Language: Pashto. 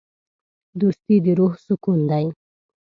دوستي د روح سکون دی.